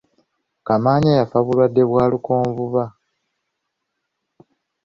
Kamaanya yafa obulwadde bwa lukonvuba.